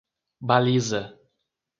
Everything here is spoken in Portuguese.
Baliza